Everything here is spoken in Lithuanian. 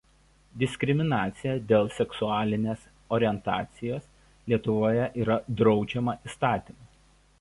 Diskriminacija dėl seksualinės orientacijos Lietuvoje yra draudžiama įstatymu.